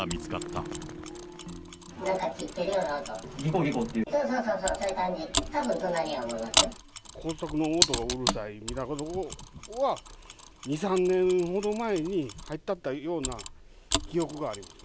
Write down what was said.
たぶん、工作の音がうるさいみたいなことは、２、３年ほど前に入ってったような記憶があります。